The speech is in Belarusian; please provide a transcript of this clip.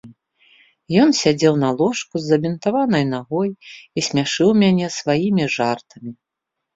Ён сядзеў на ложку з забінтаванай нагой і смяшыў мяне сваімі жартамі.